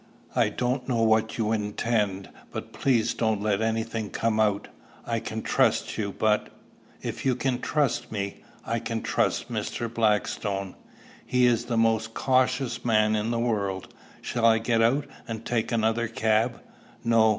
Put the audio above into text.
I don't know what you intend, but please don't let any thing come out. I can trust you, but" "If you can trust me, I can trust Mr. Blackstone. He is the most cautious man in the world. Shall I get out, and take another cab?" "No.